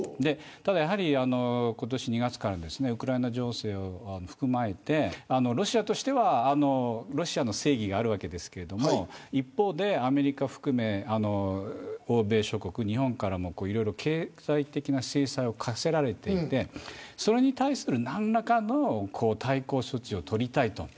ただやはり今年２月からウクライナ情勢を踏まえてロシアとしてはロシアの正義があるわけですけれども一方でアメリカ含め欧米諸国、日本からもいろいろ経済的な制裁を課せられていてそれに対する何らかの対抗措置を取りたいと。